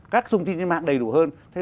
các thông tin trên mạng đầy đủ hơn